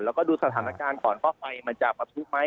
แล้วก็ดูสถานการณ์ก่อนว่าไฟมันจะประทุไหม